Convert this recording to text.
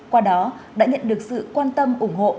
qua đó đã nhận được sự quan tâm ủng hộ